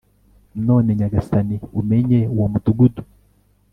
none nyagasani umenye uwo mudugudu